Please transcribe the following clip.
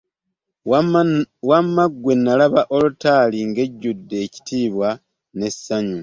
Wamma ggwe nnalaba Altari nga ejjudde ekitiibwa n'essanyu.